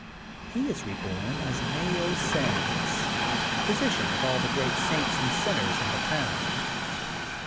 He is reborn as Mayo Sims, physician of all the great saints and sinners in the town.